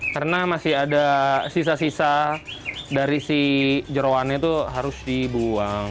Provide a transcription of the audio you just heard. karena masih ada sisa sisa dari si jerawannya itu harus dibuang